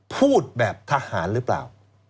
พูดแบบทหารหรือเปล่า